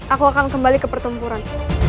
aku akan kembali ke pertempuran